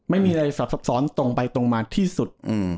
ไม่มีอะไรสับซับซ้อนตรงไปตรงมาที่สุด